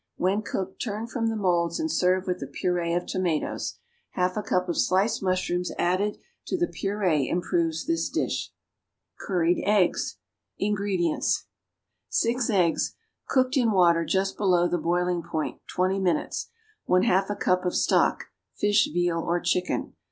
When cooked, turn from the moulds and serve with a purée of tomatoes. Half a cup of sliced mushrooms added to the purée improves this dish. =Curried Eggs.= (See cut facing page 186.) INGREDIENTS. 6 eggs, cooked, in water just below the boiling point, 20 minutes. 1/2 a cup of stock (fish, veal or chicken).